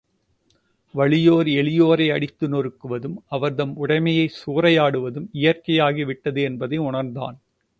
வலியார் எளியோரை அடித்து நொறுக்குவதும், அவர் தம் உடைமையைச் சூறையாடுவதும் இயற்கையாகி விட்டது என்பதை உணர்ந்தான்.